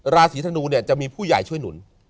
ราศีธนูเนี่ยจะมีผู้ใหญ่ช่วยหนุน